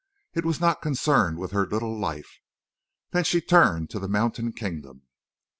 It was not concerned with her little life. Then she turned to the mountain kingdom.